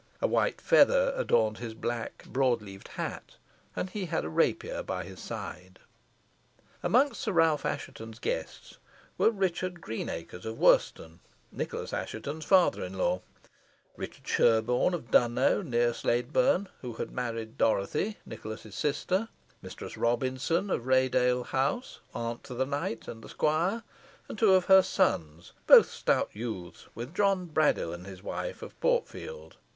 A white feather adorned his black broad leaved hat, and he had a rapier by his side. Amongst Sir Ralph Assheton's guests were Richard Greenacres, of Worston, Nicholas Assheton's father in law; Richard Sherborne of Dunnow, near Sladeburne, who had married Dorothy, Nicholas's sister; Mistress Robinson of Raydale House, aunt to the knight and the squire, and two of her sons, both stout youths, with John Braddyll and his wife, of Portfield.